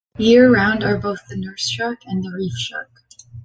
Year-round are both the nurse shark and reef shark.